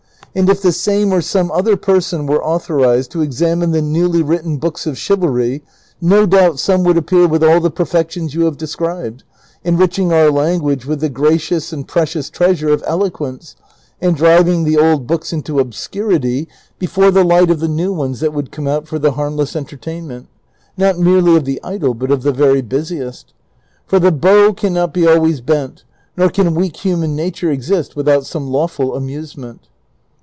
And if the same or some other person were authorized to examine the newly written books of chivalry, no doubt some would appear with all the perfections you have described, enriching our language with the gracious and precious treasure of elo quence, and driving the old books into obscurity before the light of the new ones that would come out for the harmless entertainment, not merely of the idle but of the very busiest ; for the bow can not be always bent, nor can weak human nature exist without some lawful amusement."